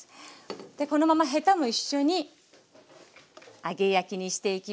このままヘタも一緒に揚げ焼きにしていきます。